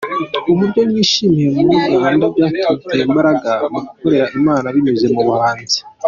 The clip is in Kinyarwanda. Uburyo yishimiwe muri Uganda byamuteye imbaraga mu gukorera Imana binyuze mu buhanzi.